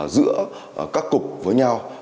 giữa các cục với nhau